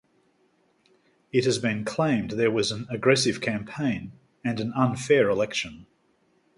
It has been claimed there was an aggressive campaign and an unfair election.